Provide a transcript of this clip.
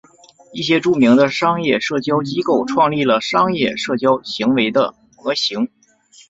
一些著名的商业社交机构创立了商业社交行为的模型。